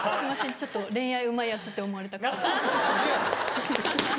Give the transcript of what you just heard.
ちょっと恋愛うまいヤツって思われたくて。